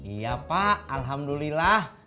iya pak alhamdulillah